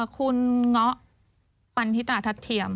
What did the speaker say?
คุณเงาะปันธิตาทัศเทียม